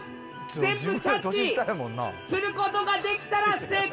全部キャッチすることができたら成功。